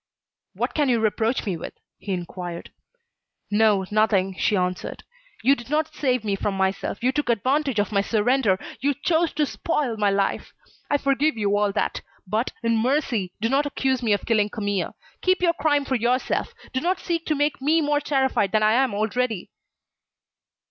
"What can you reproach me with?" he inquired. "No, nothing," she answered. "You did not save me from myself, you took advantage of my surrender, you chose to spoil my life. I forgive you all that. But, in mercy, do not accuse me of killing Camille. Keep your crime for yourself. Do not seek to make me more terrified than I am already."